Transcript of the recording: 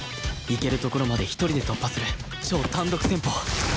行けるところまで１人で突破する超単独戦法！